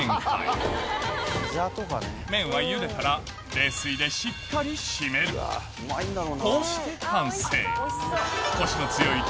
麺はゆでたら冷水でしっかり締めるこうして完成